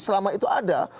selama itu ada